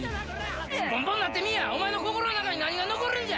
すっぽんぽんになってみいや、お前の心の中に何が残るんじゃ。